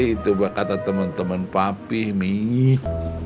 itu bah kata teman teman papi mih